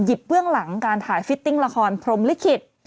เบื้องหลังการถ่ายฟิตติ้งละครพรมลิขิต